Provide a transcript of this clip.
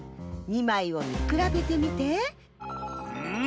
２まいをみくらべてみて。ん